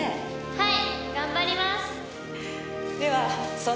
はい。